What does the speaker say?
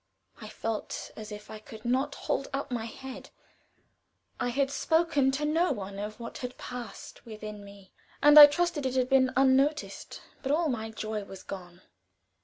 I felt as if I could not hold up my head. I had spoken to no one of what had passed within me, and I trusted it had not been noticed; but all my joy was gone.